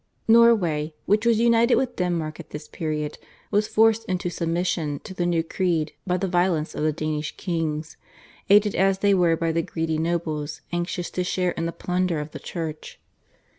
Norway, which was united with Denmark at this period, was forced into submission to the new creed by the violence of the Danish kings, aided as they were by the greedy nobles anxious to share in the plunder of the Church.